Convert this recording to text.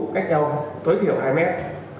cách nhau tối thiểu hai mét